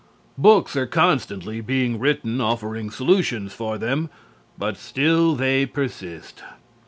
Books are constantly being written offering solutions for them, but still they persist.